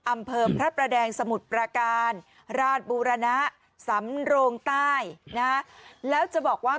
อำเภอพระประแดงสมุทรประการราชบูรณะสำโรงใต้นะแล้วจะบอกว่า